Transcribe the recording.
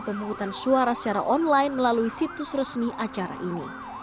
pemungutan suara secara online melalui situs resmi acara ini